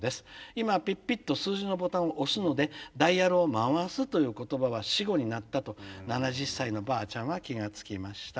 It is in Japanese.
今はピッピッと数字のボタンを押すのでダイヤルを回すという言葉は死語になったと７０歳のばあちゃんは気が付きました」。